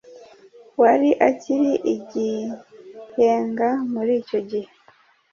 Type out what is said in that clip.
wari akiri igihenga muri icyo gihe